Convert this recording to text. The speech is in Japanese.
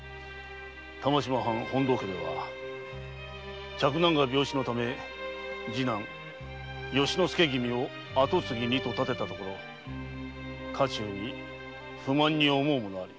玉島藩本堂家では嫡男が病死のため次男由之助君を跡継ぎにと立てたところ家中に不満に思う者あり。